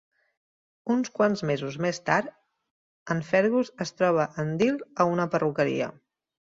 Uns quants mesos més tard, en Fergus es troba en Dil a una perruqueria.